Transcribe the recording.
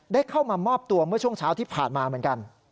เข้ามามอบตัวเมื่อช่วงเช้าที่ผ่านมาเหมือนกัน